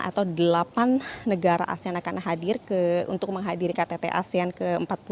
atau delapan negara asean akan hadir untuk menghadiri ktt asean ke empat puluh dua